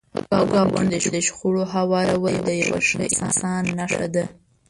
په ګاونډ کې د شخړو هوارول د یو ښه انسان نښه ده.